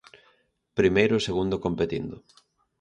Primeiro e segundo competindo.